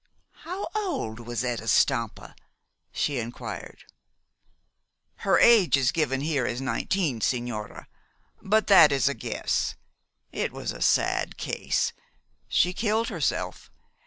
"How old was Etta Stampa?" she inquired. "Her age is given here as nineteen, sigñora; but that is a guess. It was a sad case. She killed herself.